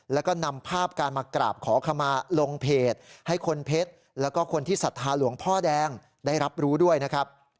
แล้วก็นำภาพการมากราบขอขมาลงเพจให้คนเพชรแล้วก็คนที่ศรัทธาหลวงพ่อแดงได้รับรู้ด้วยนะครับ